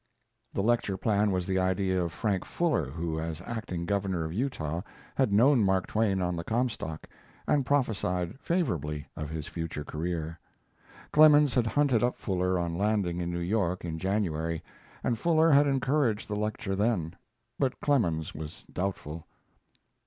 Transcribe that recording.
The lecture plan was the idea of Frank Fuller, who as acting Governor of Utah had known Mark Twain on the Comstock, and prophesied favorably of his future career. Clemens had hunted up Fuller on landing in New York in January, and Fuller had encouraged the lecture then; but Clemens was doubtful.